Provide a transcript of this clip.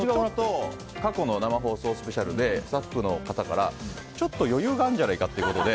過去の生放送スペシャルでスタッフの方からちょっと余裕があるんじゃないかということで。